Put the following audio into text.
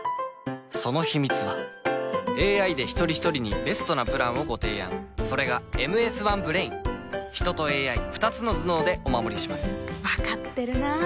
そのヒミツはＡＩで一人ひとりにベストなプランをご提案それが「ＭＳ１Ｂｒａｉｎ」人とＡＩ２つの頭脳でお守りします分かってるなぁ